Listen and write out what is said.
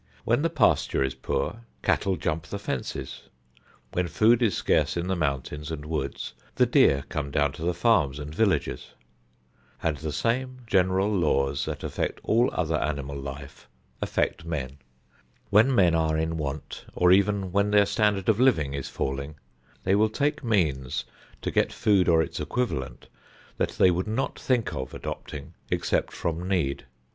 When the pasture is poor cattle jump the fences. When food is scarce in the mountains and woods the deer come down to the farms and villages. And the same general laws that affect all other animal life affect men. When men are in want, or even when their standard of living is falling, they will take means to get food or its equivalent that they would not think of adopting except from need.